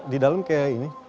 di dalam kayak ini